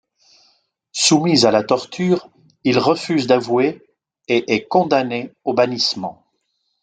Soumis à la torture, il refuse d'avouer et est condamné au bannissement.